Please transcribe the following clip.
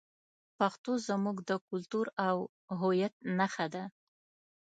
پښتو زموږ د کلتور او هویت نښه ده.